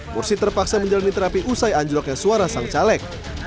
mursi terpaksa menjalani terapi usai anjloknya suara sang caleg